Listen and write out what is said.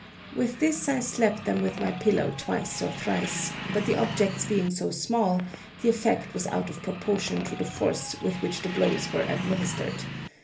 With this I slapped them with my pillow twice or thrice, but the objects being so small, the effect was out of proportion to the force with which the blows were administered.